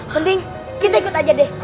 henti kita ikut aja deh